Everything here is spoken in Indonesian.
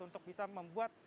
untuk bisa membuat